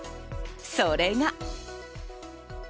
それが。